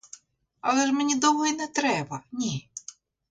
Але ж мені довго й не треба, ні.